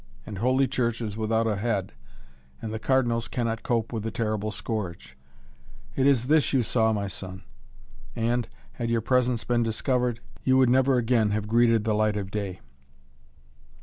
And Holy Church is without a head, and the cardinals cannot cope with the terrible scourge. It is this you saw, my son, and, had your presence been discovered, you would never again have greeted the light of day."